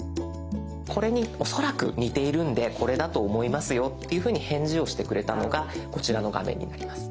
これに恐らく似ているんでこれだと思いますよっていうふうに返事をしてくれたのがこちらの画面になります。